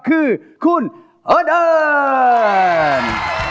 คือคุณเอิ้นเอิ้น